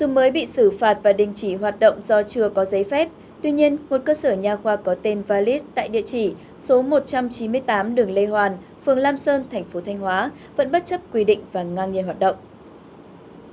mới bị xử phạt và đình chỉ hoạt động do chưa có giấy phép tuy nhiên một cơ sở nhà khoa có tên valis tại địa chỉ số một trăm chín mươi tám đường lê hoàn phường lam sơn thành phố thanh hóa vẫn bất chấp quy định và ngang nhiên hoạt động